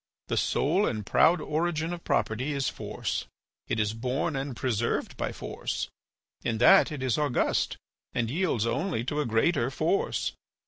The sole and proud origin of property is force. It is born and preserved by force. In that it is august and yields only to a greater force.